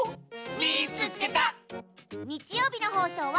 「みいつけた！」。